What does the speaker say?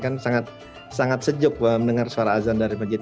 kan sangat sejuk mendengar suara azan dari masjid